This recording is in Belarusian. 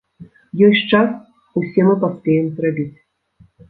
Ёсць час, усе мы паспеем зрабіць.